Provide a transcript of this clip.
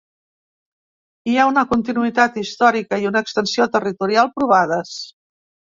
Hi ha una continuïtat històrica i una extensió territorial provades.